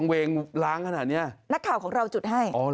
เวงล้างขนาดเนี้ยนักข่าวของเราจุดให้